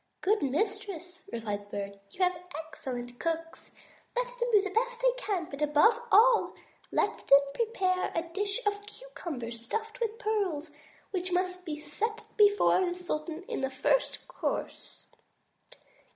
"Good mistress," replied the Bird, "you have excellent cooks; let them do the best they can. But above all, let them prepare a dish of cucumbers stuffed with pearls, which must be set before the sultan in the first course."